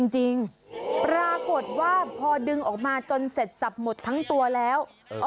จริงปรากฏว่าพอดึงออกมาจนเสร็จสับหมดทั้งตัวแล้ว